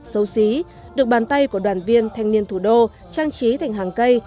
xấu xí được bàn tay của đoàn viên thanh niên thủ đô trang trí thành hàng cây